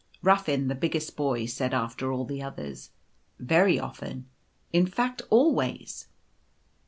Ruffin, the biggest boy, said after all the others, " Very often. In fact always."